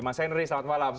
mas henry selamat malam